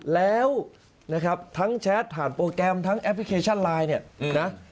แล้วนะครับทั้งแชทผ่านโปรแกรมทั้งแอปพลิเคชันไลน์เนี่ยนะ